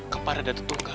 kepada datuk tunggal